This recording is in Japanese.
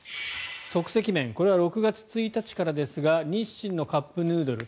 即席麺これは６月１日からですが日清のカップヌードル